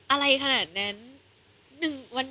อะไรขนาดนั้น